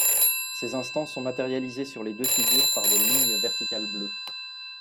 Ces instants sont matérialisés sur les deux figures par des lignes verticales bleues.